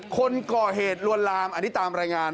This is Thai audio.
คนก่อเหตุลวรรรมตามรายงาน